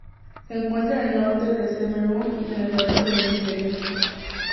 Se encuentra en el norte de Camerún y el noreste de Nigeria.